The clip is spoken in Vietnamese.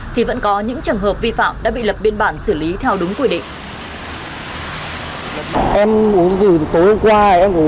thì vẫn có những trường hợp vi phạm đã bị lập biên bản xử lý theo đúng quy định